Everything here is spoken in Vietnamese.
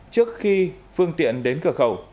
trước khi phương tiện đến cửa khẩu